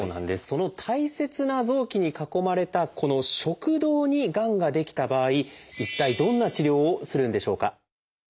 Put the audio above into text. その大切な臓器に囲まれたこの食道にがんが出来た場合一体どんな治療をするんでしょうか？